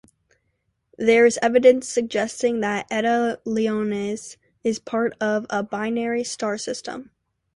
There is evidence suggesting that Eta Leonis is part of a binary star system.